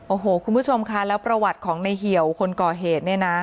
โอ้หูคุณผู้ชมคะและประวัติของท่านไงเหี่ยวค็อเฮชเนี่ยนะ